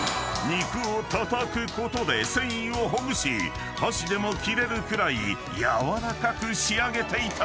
肉をたたくことで繊維をほぐし箸でも切れるくらい軟らかく仕上げていた］